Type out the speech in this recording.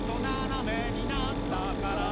斜めになったから。